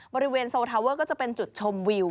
บริเวณโซลทาเวอร์ก็จะเป็นจุดชมวิว